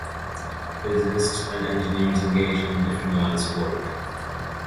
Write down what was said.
Physicists and engineers engage in different lines of work.